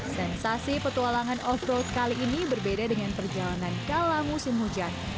sensasi petualangan off road kali ini berbeda dengan perjalanan kala musim hujan